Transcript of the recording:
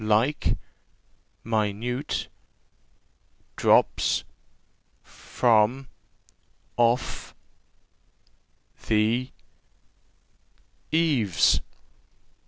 'Like minute drops from off the eaves.